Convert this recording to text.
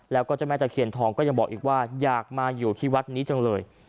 แล้วก็เจ้าแม่ตะเคียนทองก็ยังบอกอีกว่าอยากมาอยู่ที่วัดนี้จังเลย